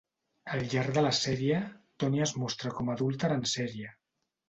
Al llarg de la sèrie Tony es mostra com a adúlter en sèrie.